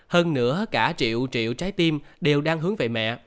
hơn nữa cả triệu triệu trái tim đều đang hướng về mẹ